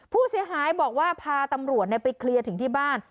ผู้เสียหายบอกว่าพาตำรวจไปเคลียร์ถึงที่บ้าน